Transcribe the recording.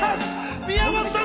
宮本さん